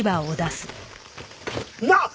なっ！